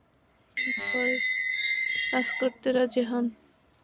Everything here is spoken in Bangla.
সেখান থেকে তিনটি চলচ্চিত্রের ভাবনা পছন্দ হওয়ায় কাজ করতে রাজি হই।